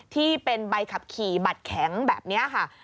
ที่เป็นใบขับขี่บัตรแข็งแบบนี้ค่ะ